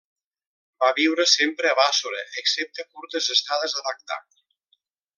Va viure sempre a Bàssora, excepte curtes estades a Bagdad.